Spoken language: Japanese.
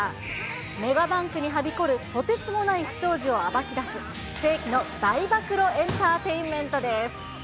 メガバンクにはびこるとてつもない不祥事を暴き出す、世紀の大暴露エンターテインメントです。